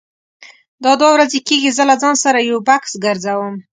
دا دوه ورځې کېږي زه له ځان سره یو بکس ګرځوم.